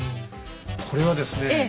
これはですね